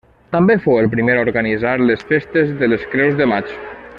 També fou el primer a organitzar les festes de les Creus de Maig.